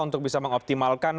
untuk bisa mengoptimalkan